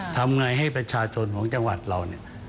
ทำให้ประชาชนของจังหวัดเรา